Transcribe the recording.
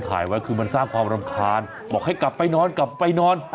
ถ่ายไว้คือมันสร้างความรำคาญบอกให้กลับไปนอนกลับไปนอน